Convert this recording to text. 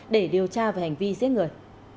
để điều tra về hành vi giết người